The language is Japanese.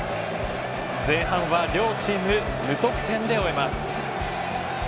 前半は両チーム無得点で終えます。